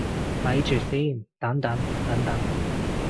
咪住先，等等等等